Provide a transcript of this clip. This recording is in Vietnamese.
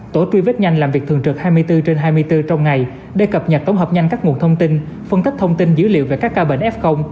tổ truy vết nhanh làm việc thường trực hai mươi bốn trên hai mươi bốn trong ngày để cập nhật tổng hợp nhanh các nguồn thông tin phân tích thông tin dữ liệu về các ca bệnh f